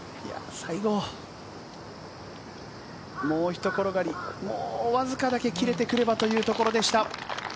最後、もうひと転がり、わずかだけきれてくればというところでした。